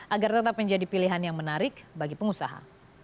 agar tetap menjadi pilihan yang menarik bagi pengusaha